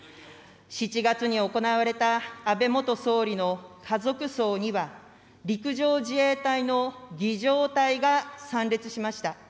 ７月に行われた安倍元総理の家族葬には、陸上自衛隊の儀仗隊が参列しました。